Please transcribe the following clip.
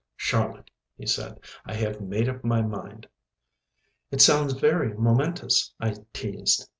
"Charlotte," he said, "I have made up my mind." "It sounds very momentous," I teased.